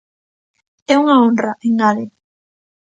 É unha honra, engade.